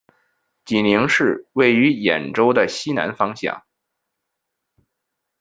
济宁市位于兖州的西南方向。